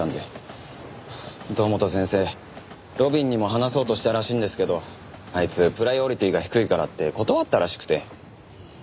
路敏にも話そうとしたらしいんですけどあいつプライオリティが低いからって断ったらしくて。